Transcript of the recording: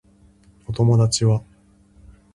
お友達は